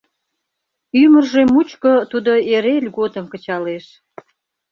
Ӱмыржӧ мучко тудо эре льготым кычалеш.